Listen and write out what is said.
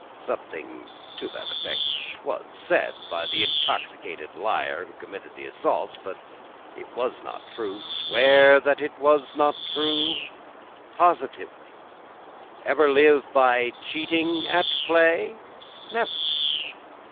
Something to that effect was said by the intoxicated liar who committed the assault, but it was not true. Swear it was not true? Positively. Ever live by cheating at play? Never.